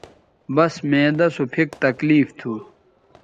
بس معدہ سو پھک تکلیف تھو